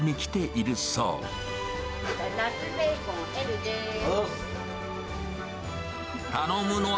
ナスベーコンＬです。